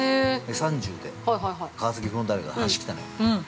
３０で、川崎フロンターレから話が来たのよ。